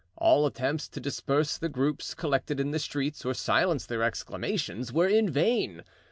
All attempts to disperse the groups collected in the streets, or silence their exclamations, were in vain.